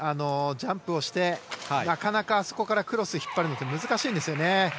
ジャンプをしてなかなかあそこからクロスを引っ張るのって難しいんですね。